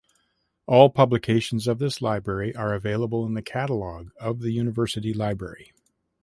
All publications of this library are available in the catalogue of the university library.